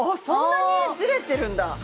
そんなにずれてるんだ！